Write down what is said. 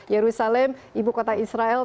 yerusalem ibu kota israel